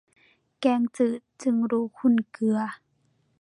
แกงจืดจึงรู้คุณเกลือ